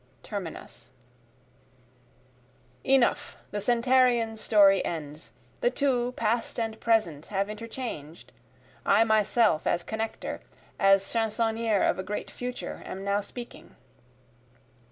[Terminus] Enough, the Centenarian's story ends, The two, the past and present, have interchanged, I myself as connecter, as chansonnier of a great future, am now speaking.